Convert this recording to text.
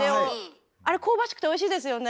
あれ香ばしくておいしいですよね。